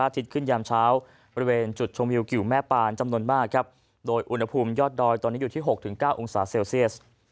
ที่กำเภอจอมทองช่วงนี้